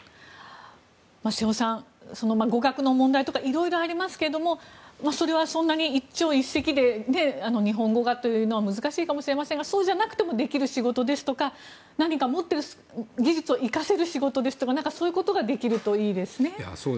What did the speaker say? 瀬尾さん、語学の問題とかいろいろありますけどそれはそんなに一朝一夕で日本語がというのは難しいかもしれませんがそうじゃなくてもできる仕事ですとか何か持ってる技術を生かせる仕事そういうことができるといいですね。